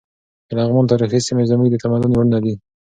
د لغمان تاریخي سیمې زموږ د تمدن ویاړونه دي.